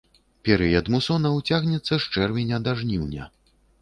Перыяд мусонаў цягнецца з чэрвеня да жніўня.